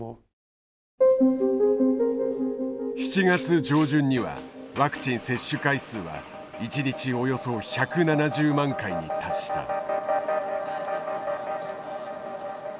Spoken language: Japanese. ７月上旬にはワクチン接種回数は一日およそ１７０万回に達した。